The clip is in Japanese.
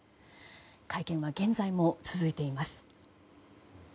会見は現在も続いています。